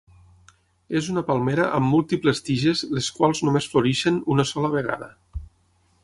És una palmera amb múltiples tiges les quals només floreixen una sola vegada.